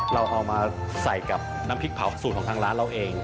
เราเอามาใส่กับน้ำพริกเผาสูตรของทางร้านเราเอง